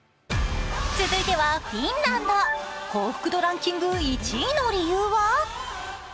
続いてはフィンランド、幸福度ランキング１位の理由は？